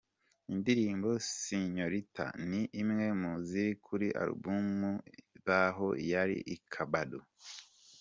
Indirimbo Singorita, ni imwe mu ziri kuri album Baho ya I-Kabod.